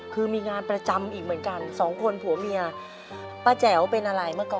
คือมีงานประจำอีกเหมือนกันสองคนผัวเมียป้าแจ๋วเป็นอะไรเมื่อก่อน